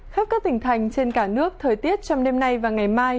khắp các tỉnh thành trên cả nước thời tiết trong đêm nay và ngày mai